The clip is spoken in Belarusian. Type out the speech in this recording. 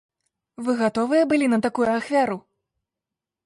Вы гатовыя былі на такую ахвяру?